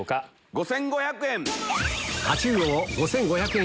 ５５００円！